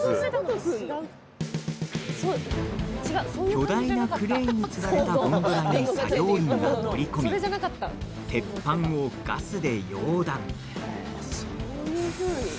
巨大なクレーンにつられたゴンドラに作業員が乗り込み鉄板をガスで溶断。